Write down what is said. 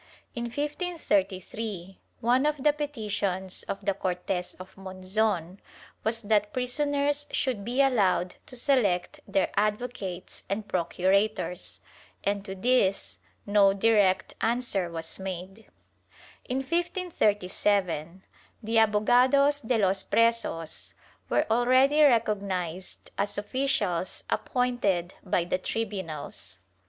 In 1533, one of the petitions of the Cortes of Monzon was that prisoners should be allowed to seleijt their advocates and procurators, and to this no direct answer was made,^ In 1537 the ahogados de los presos were already recognized as officials appointed by the tribunals.